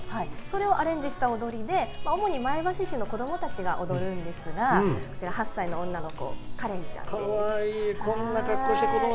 それをアレンジした踊りで主に前橋市の子どもたちが踊るんですが、８歳の女の子かれんちゃんです。